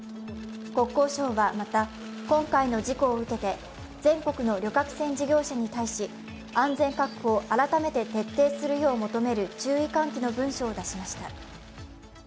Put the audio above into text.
国交省はまた、今回の事故を受けて全国の旅客船事業者に対し安全確保を改めて徹底するよう求める注意喚起の文書を出しました。